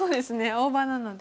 大場なので。